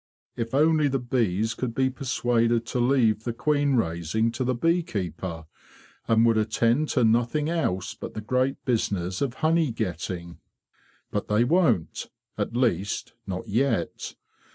"Tf only the bees could be persuaded to leave the queen raising to the bee keeper, and would attend to nothing else but the great business of honey getting! But they won't—at least, not yet.